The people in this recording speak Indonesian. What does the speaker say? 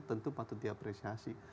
tentu patut diapresiasi